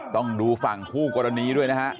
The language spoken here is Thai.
ต้องดูฝั่งคู่กรณีด้วยนะฮะ